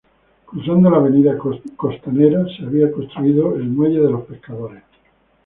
Cruzando la avenida costanera, se había construido el Muelle de Pescadores.